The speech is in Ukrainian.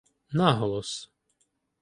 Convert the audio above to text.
Наголос